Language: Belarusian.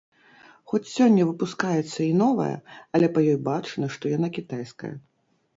Хоць сёння выпускаецца і новая, але па ёй бачна, што яна кітайская.